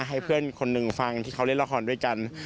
ให้เพื่อนคนหนึ่งฟังที่เขาเล่นละครด้วยกัน